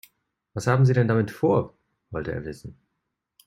Was haben Sie denn damit vor?, wollte er wissen.